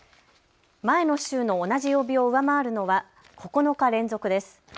前の週の同じ曜日を上回るのは９日連続です。